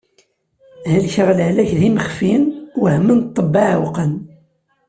Helkeɣ lehlak d imexfi, wehmen ṭṭebba, ɛewqen.